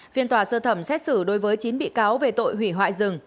phiên tòa sơ thẩm xét xử đối với chín bị cáo về tội hủy hoại rừng